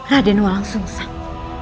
raden walang sungsang